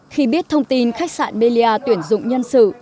khi biết thông tin khách sạn bellia tuyển dụng nhân sự